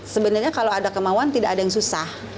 sebenarnya kalau ada kemauan tidak ada yang susah